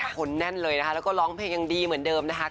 คนแน่นเลยนะคะแล้วก็ร้องเพลงยังดีเหมือนเดิมนะคะ